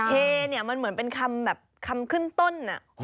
เฮมันเหมือนเป็นคำขึ้นต้น